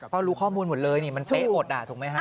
เพราะรู้ข้อมูลหมดเลยนี่มันเป๊ะหมดอ่ะถูกไหมฮะ